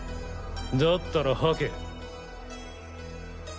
だったらはけ。